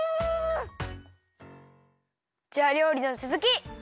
じゃありょうりのつづき！